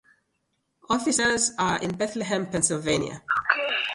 Offices are in Bethlehem, Pennsylvania.